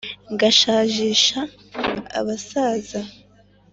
ngashajisha abasaza